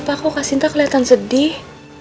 aku kak sinta keliatan sedih